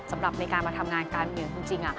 สำหรับในการมาทำงานการเมืองจริง